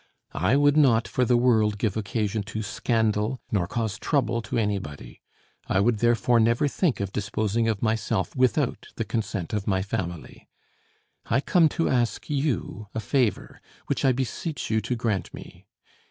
I would not, for the world, give occasion to scandal, nor cause trouble to anybody; I would therefore never think of disposing of myself without the consent of my family. I come to ask you a favor, which I beseech you to grant me.